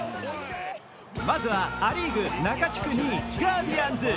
まずはア・リーグ中地区２位、ガーディアンズ。